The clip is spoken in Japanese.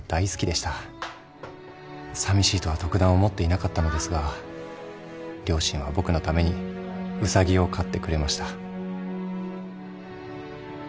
さみしいとは特段思っていなかったのですが両親は僕のためにウサギをかってくれました。